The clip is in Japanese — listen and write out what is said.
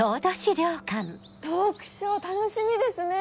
トークショー楽しみですね！